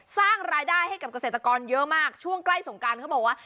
สร้างรายได้ให้กับเกษตรกรเยอะมากช่วงใกล้สงการเขาบอกว่า